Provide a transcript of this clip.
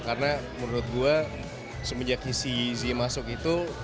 karena menurut gue semenjak si zee masuk itu